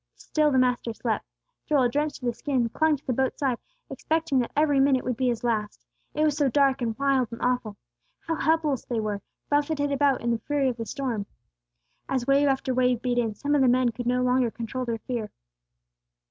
Still the Master slept. Joel, drenched to the skin, clung to the boat's side, expecting that every minute would be his last. It was so dark and wild and awful! How helpless they were, buffetted about in the fury of the storm! As wave after wave beat in, some of the men could no longer control their fear.